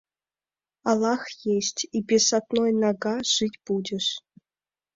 Аллах есть, и без одной нога жить будешь.